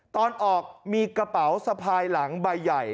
ตอนออกมีกระเป๋าสะพายหลังใบใหญ่